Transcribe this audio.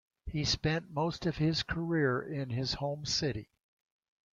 He spent most of his career in his home city.